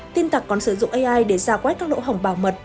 tin tặc còn sử dụng ai để ra quét các lỗ hỏng bảo mật